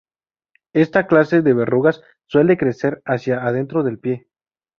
Esta clase de verrugas suele crecer hacia adentro del pie.